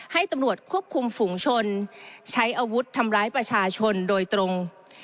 ให้ตำรวจควบคุมฝุงชนใช้อาวุธทำร้ายประชาชนโดยตรง